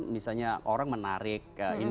misalnya orang menarik